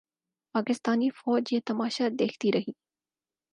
پاکستانی فوج یہ تماشا دیکھتی رہی۔